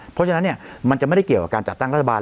เพราะฉะนั้นมันจะไม่ได้เกี่ยวกับการจัดตั้งรัฐบาล